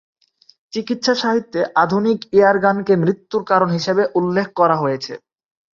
চিকিৎসা সাহিত্যে আধুনিক এয়ার গানকে মৃত্যুর কারণ হিসাবে উল্লেখ করা হয়েছে।